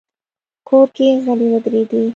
کور کې غلې ودرېدې.